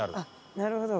なるほど。